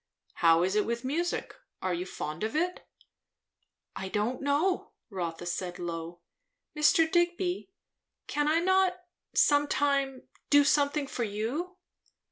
How is it with music? Are you fond of it?" "I don't know," Rotha said low. "Mr. Digby, can I not some time do something for you?"